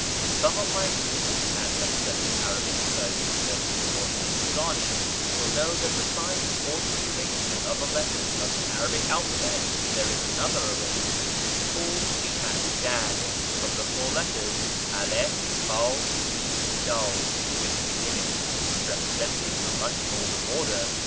Such of my readers as have studied Arabic, Persian, Turkish, or Hindustani will know that besides the ordinary arrangement of the letters of the Arabic alphabet there is another arrangement called the " ahj'ad "(from the four letters alif, hd, Jim, cldl which begin it) representing a much older order.